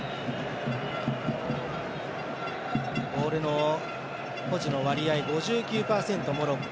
ボールの保持の割合５９％モロッコ。